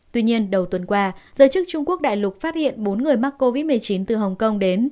tuy nhiên đầu tuần qua giới chức trung quốc đại lục phát hiện bốn người mắc covid một mươi chín từ hồng kông đến